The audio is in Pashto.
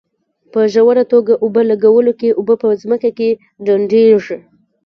په ژوره توګه اوبه لګولو کې اوبه په ځمکه کې ډنډېږي.